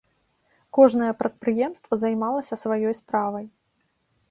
Кожнае прадпрыемства займалася сваёй справай.